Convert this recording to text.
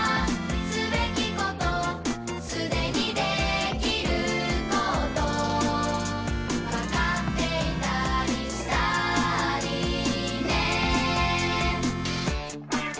「すべきことすでにできること」「分かっていたりしたりね」